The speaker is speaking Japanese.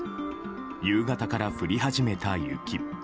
夕方から降り始めた雪。